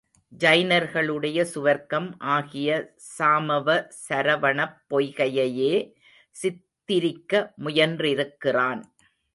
ஜைனர்களுடைய சுவர்க்கம் ஆகிய சாமவ சரவணப் பொய்கையையே சித்திரிக்க முயன்றிருக்கிறான்.